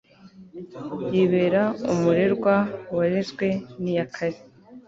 yibera umurerwa warezwe n'iyakare